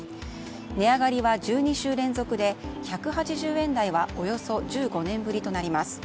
値上がりは１２週連続で１８０円台はおよそ１５年ぶりとなります。